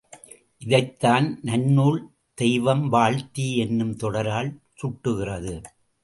இதைத்தான், நன்னூல், தெய்வம் வாழ்த்தி என்னும் தொடரால் சுட்டுகிறது.